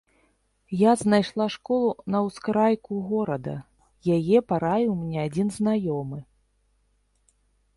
Я знайшла школу на ўскрайку горада, яе параіў мне адзін знаёмы.